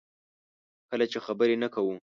کله چې خبرې نه کوو.